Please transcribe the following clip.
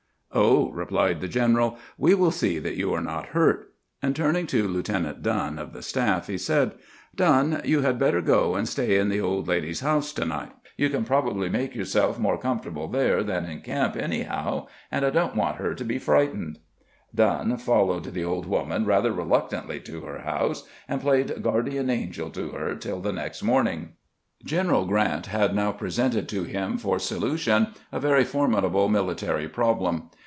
" Oh," replied the general, " we will see that you are not hurt "; and turning to Lieutenant Dunn of the staff, he said: " Dunn, you had better go and stay in the old lady's house to night. You can probably make yourself more GKANT BECEOSSES THE NORTH ANNA 149 comfortable there than in camp, anyhow; and I don't want her to be frightened." Dunn followed the old woman rather reluctantly to her house, and played guardian angel to her tiU the next morning. Q eneral Grant had now presented to him for solution a very formidable military problem.